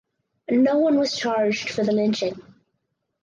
No one was charged for the lynching.